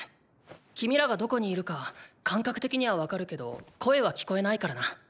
君らがどこにいるか感覚的にはわかるけど声は聞こえないからな。